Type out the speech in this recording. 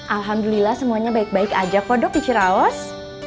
alhamdulillah semuanya baik baik saja kok dok di ciraus